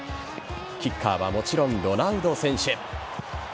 キッカーはもちろんロナウド選手。